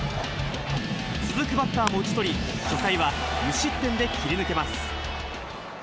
続くバッターも打ち取り、初回は無失点で切り抜けます。